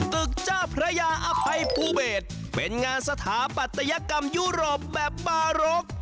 เจ้าพระยาอภัยภูเบศเป็นงานสถาปัตยกรรมยุโรปแบบบารก